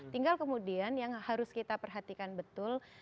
tinggal kemudian yang harus kita perhatikan betul